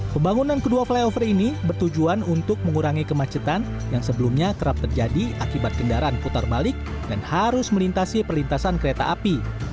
pembangunan kedua flyover ini bertujuan untuk mengurangi kemacetan yang sebelumnya kerap terjadi akibat kendaraan putar balik dan harus melintasi perlintasan kereta api